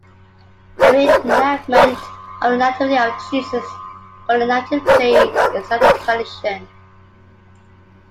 A re-enactment of the Nativity of Jesus called a Nativity play is another tradition.